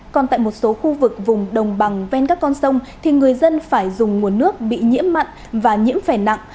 còn tại một số khu vực vùng đồng bằng ven các con sông thì người dân phải dùng nguồn nước bị nhiễm mặn và nhiễm phè nặng